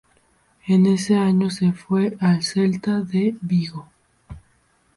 En ese año se fue al Celta de Vigo.